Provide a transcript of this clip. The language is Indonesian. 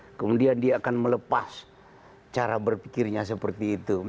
kemudian dia akan melepas cara berpikirnya seperti itu